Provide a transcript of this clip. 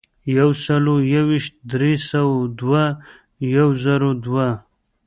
یو سلو یو ویشت ، درې سوه دوه ، یو زرو دوه.